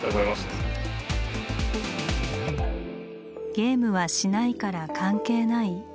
「ゲームはしないから関係ない」？